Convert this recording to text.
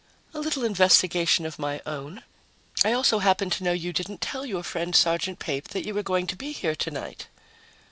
"A little investigation of my own. I also happen to know you didn't tell your friend Sergeant Pape that you were going to be here tonight."